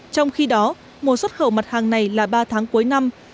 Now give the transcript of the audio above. trong khi đó mùa xuất khẩu mặt hàng này là ba tháng cuối năm